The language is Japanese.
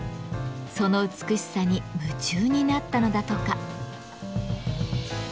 その美しさに夢中になったのだとか。